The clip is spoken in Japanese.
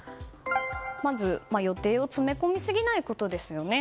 まず、予定を詰め込みすぎないことですよね。